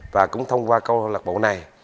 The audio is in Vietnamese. và cũng thông qua câu lạc bộ này